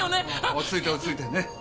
落ち着いて落ち着いて。